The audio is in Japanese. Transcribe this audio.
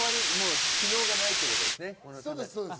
機能がないということですね。